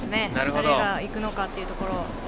誰が行くのかというところを。